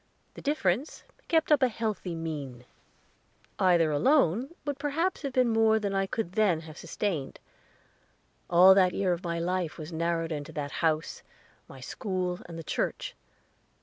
The difference kept up a healthy mean; either alone would perhaps have been more than I could then have sustained. All that year my life was narrowed to that house, my school, and the church.